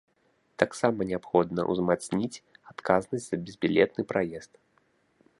Таксама неабходна ўзмацніць адказнасць за безбілетны праезд.